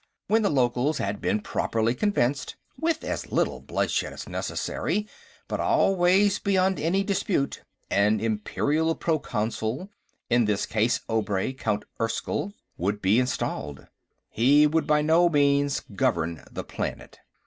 When the locals had been properly convinced with as little bloodshed as necessary, but always beyond any dispute an Imperial Proconsul, in this case Obray, Count Erskyll, would be installed. He would by no means govern the planet.